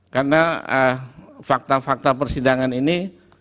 karena fakta fakta persidangan ini